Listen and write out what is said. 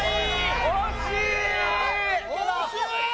惜しいー！